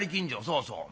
「そうそう。